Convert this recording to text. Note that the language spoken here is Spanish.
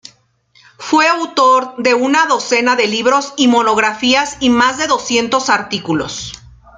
Fue autor de una docena de libros y monografías y más de doscientos artículos.